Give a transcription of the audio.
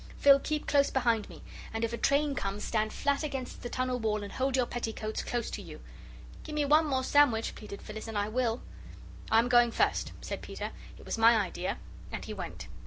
Phil, keep close behind me, and if a train comes, stand flat against the tunnel wall and hold your petticoats close to you." "Give me one more sandwich," pleaded Phyllis, "and I will." "I'm going first," said Peter; "it was my idea," and he went.